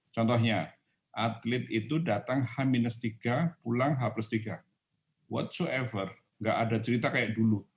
contohnya atlet itu datang h tiga pulang h plus tiga what so ever enggak ada cerita kayak dulu